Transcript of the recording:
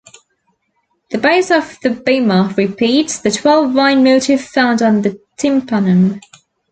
The base of the bimah repeats the twelve vine motif found on the tympanum.